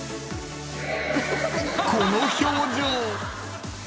［この表情］